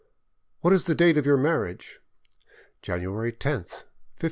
"What is the date of your marriage?" "January 10, 1539."